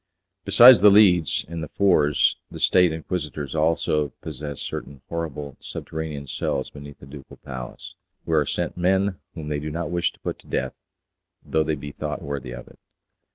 Besides The Leads and The Fours the State Inquisitors also possess certain horrible subterranean cells beneath the ducal palace, where are sent men whom they do not wish to put to death, though they be thought worthy of it.